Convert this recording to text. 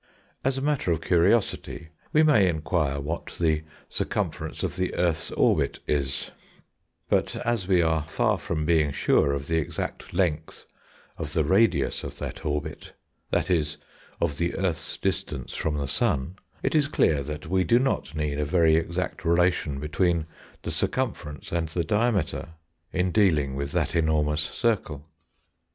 As a matter of curiosity, we may inquire what the circumference of the earth's orbit is; but as we are far from being sure of the exact length of the radius of that orbit (that is, of the earth's distance from the sun), it is clear that we do not need a very exact relation between the circumference and the diameter in dealing with that enormous circle.